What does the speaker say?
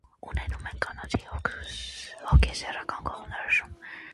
Ունենում են կանացի հոգեսեռական կողմնորոշում։